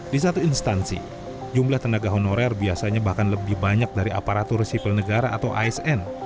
di satu instansi jumlah tenaga honorer biasanya bahkan lebih banyak dari aparatur sipil negara atau asn